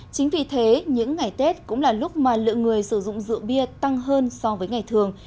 chính vì thế những ngày tết cũng là lúc mà lượng người sử dụng rượu bia tăng hơn so với ngày thường